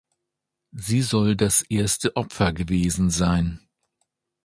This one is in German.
Sie soll das erste Opfer gewesen sein.